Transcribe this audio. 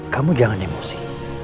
kamu jangan emosi